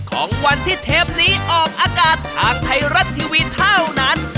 ของวันที่เทปนี้ออกอากาศทางไทยรัฐทีวีเท่านั้น